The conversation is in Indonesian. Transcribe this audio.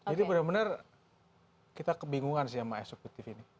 jadi benar benar kita kebingungan sih sama eksekutif ini